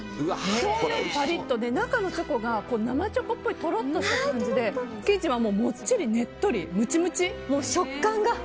表面はパリッとで中のチョコが生チョコっぽいとろっとした感じで生地はもっちり、ねっとりむちむち。